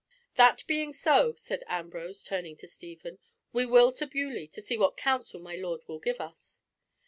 "That being so," said Ambrose turning to Stephen, "we will to Beaulieu, and see what counsel my lord will give us."